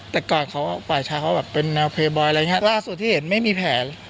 แต่ก่อนเขาฝ่ายชายเขาแบบเป็นแนวเพย์บอยอะไรอย่างเงี้ยล่าสุดที่เห็นไม่มีแผล